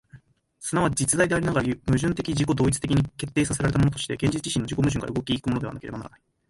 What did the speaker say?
即ち実在でありながら、矛盾的自己同一的に決定せられたものとして、現実自身の自己矛盾から動き行くものでなければならない。